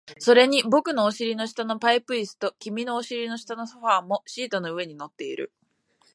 それに僕のお尻の下のパイプ椅子と、君のお尻の下のソファーもシートの上に乗っている